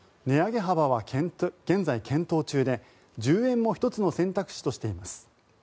値上げ幅は現在、検討中で１０円も１つの選択肢としています。